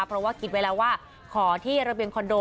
เพราะว่าคิดไว้แล้วว่าขอที่ระเบียงคอนโด